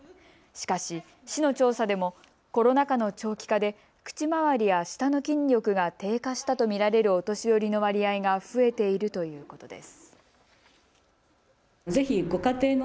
しかし、市の調査でもコロナ禍の長期化で口周りや舌の筋力が低下したと見られるお年寄りの割合が増えているということです。